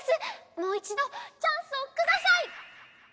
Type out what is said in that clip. もういちどチャンスをください！